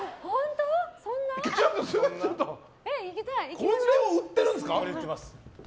こんなの売ってるんですか！